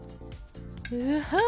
うはっ！